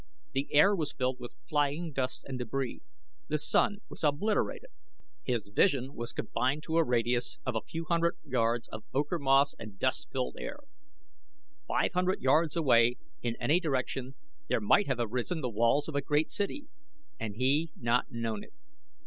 The air was filled with flying dust and debris. The Sun was obliterated. His vision was confined to a radius of a few hundred yards of ochre moss and dust filled air. Five hundred yards away in any direction there might have arisen the walls of a great city and he not known it.